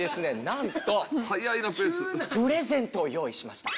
なんとプレゼントを用意しました。